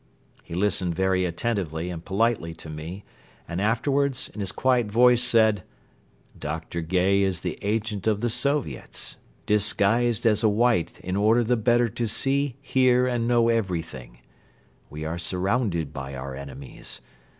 He listened very attentively and politely to me and afterwards, in his quiet voice, said: "Dr. Gay is the agent of the Soviets, disguised as a White in order the better to see, hear and know everything. We are surrounded by our enemies.